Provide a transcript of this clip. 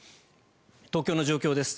東京の状況です。